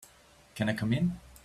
Can I come in?